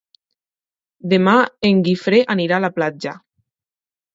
Demà en Guifré anirà a la platja.